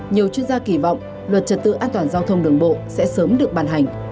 nhiều chuyên gia kỳ vọng luật trật tự an toàn giao thông đường bộ sẽ sớm được bàn hành